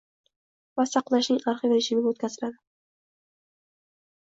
va saqlashning arxiv rejimiga o‘tkaziladi.